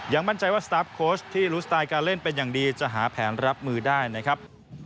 มั่นใจว่าสตาร์ฟโค้ชที่รู้สไตล์การเล่นเป็นอย่างดีจะหาแผนรับมือได้นะครับ